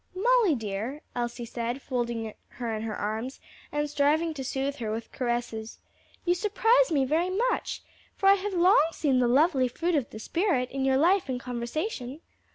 "Molly dear," Elsie said, folding her in her arms and striving to soothe her with caresses, "you surprise me very much, for I have long seen the lovely fruit of the Spirit in your life and conversation.